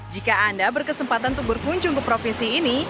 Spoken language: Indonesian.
jika anda berkesempatan untuk berkunjung ke provinsi ini